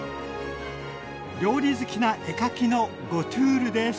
料理好きな絵描きのゴトゥールです。